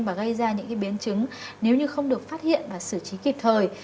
và gây ra những biến chứng nếu như không được phát hiện và xử trí kịp thời